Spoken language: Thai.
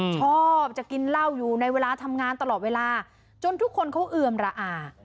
ชอบจะกินเหล้าอยู่ในเวลาทำงานตลอดเวลาจนทุกคนเขาเอือมระอา